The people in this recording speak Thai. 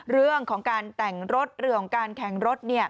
เรื่องของการแต่งรถเรื่องของการแข่งรถ